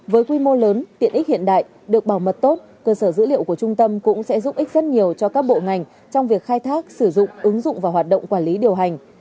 với quy mô lớn tiện ích hiện đại được bảo mật tốt cơ sở dữ liệu của trung tâm cũng sẽ giúp ích rất nhiều cho các bộ ngành trong việc khai thác sử dụng ứng dụng và hoạt động quản lý điều hành